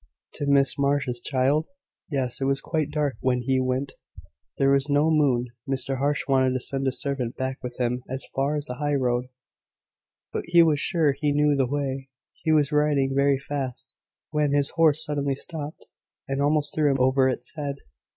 "To Mrs Marsh's child? Yes; it was quite dark when he went." "There was no moon. Mr Marsh wanted to send a servant back with him as far as the high road: but he was sure he knew the way. He was riding very fast, when his horse suddenly stopped, and almost threw him over its head.